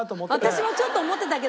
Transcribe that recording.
私もちょっと思ってたけど。